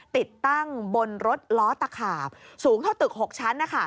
ติดตั้งบนรถล้อตะขาบสูงเท่าตึก๖ชั้น